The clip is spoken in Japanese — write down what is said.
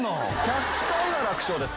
１００回は楽勝です